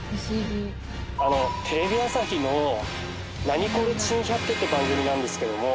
あのテレビ朝日の『ナニコレ珍百景』って番組なんですけども。